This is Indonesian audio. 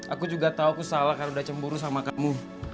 aku juga tahu salah karena udah cemburu sama kamu